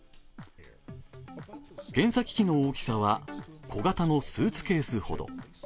検査機器の大きさは、小型のスーツケースほど。